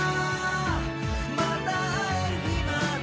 また会える日まで」